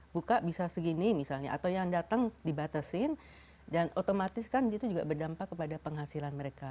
buka bisa segini misalnya atau yang datang dibatasin dan otomatis kan itu juga berdampak kepada penghasilan mereka